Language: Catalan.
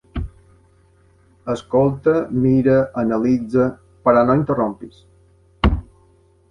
Escolta, mira, analitza... Però no interrompis!